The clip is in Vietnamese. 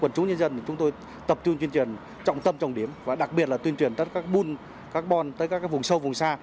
quần chú nhân dân chúng tôi tập trung tuyên truyền trọng tâm trọng điểm và đặc biệt là tuyên truyền các buôn các bon tới các vùng sâu vùng xa